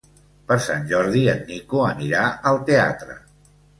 Per Sant Jordi en Nico anirà al teatre.